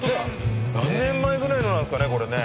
何年前ぐらいのなんですかねこれね。